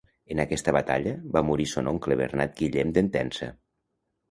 En aquesta batalla, va morir son oncle Bernat Guillem d'Entença.